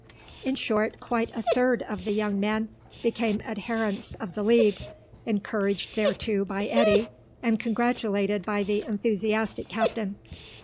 In short, quite a third of the young men became adherents of the League, encouraged thereto by Eddy, and congratulated by the enthusiastic captain.